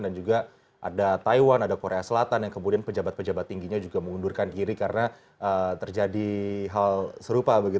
dan juga ada taiwan ada korea selatan yang kemudian pejabat pejabat tingginya juga mengundurkan kiri karena terjadi hal serupa